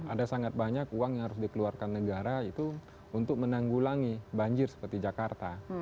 ada sangat banyak uang yang harus dikeluarkan negara itu untuk menanggulangi banjir seperti jakarta